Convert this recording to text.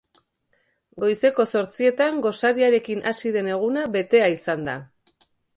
Goizeko zortzietan gosariarekin hasi den eguna betea izan da.